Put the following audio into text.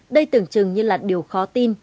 đây tưởng chừng như là điều khó tin